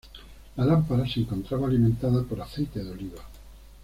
La lámpara se encontraba alimentada por aceite de oliva.